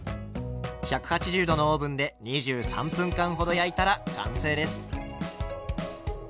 １８０℃のオーブンで２３分間ほど焼いたら完成です。